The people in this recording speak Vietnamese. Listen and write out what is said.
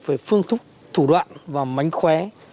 về phương thức thủ đoạn và mánh khóe